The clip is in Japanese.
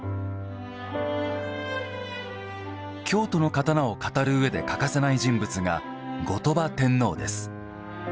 京都の刀を語る上で欠かせない人物が後鳥羽天皇です。